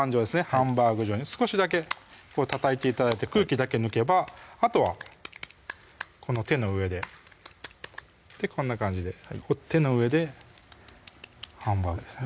ハンバーグ状に少しだけたたいて頂いて空気だけ抜けばあとはこの手の上でこんな感じで手の上でハンバーグですね